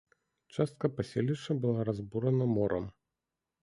Частка паселішча была разбурана морам.